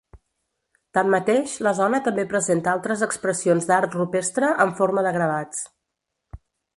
Tanmateix, la zona també presenta altres expressions d'art rupestre en forma de gravats.